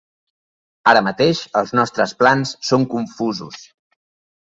Ara mateix els nostres plans són confusos.